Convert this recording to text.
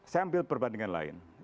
saya ambil perbandingan lain